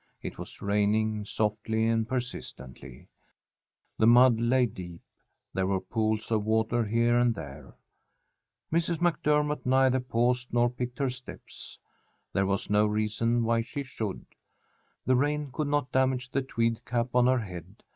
It was raining, softly and persistently. The mud lay deep. There were pools of water here and there. Mrs. MacDermott neither paused nor picked her steps. There was no reason why she should. The rain could not damage the tweed cap on her head.